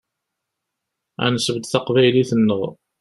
Ad nesbedd taqbaylit-nneɣ.